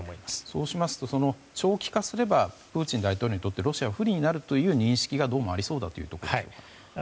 そうしますと長期化すればプーチン大統領にとってロシアは不利になるという認識がどうもありそうだというところですか。